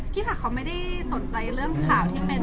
ผักเขาไม่ได้สนใจเรื่องข่าวที่เป็น